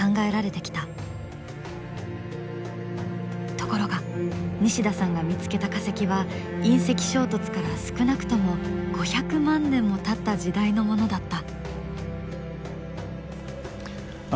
ところが西田さんが見つけた化石は隕石衝突から少なくとも５００万年もたった時代のものだった。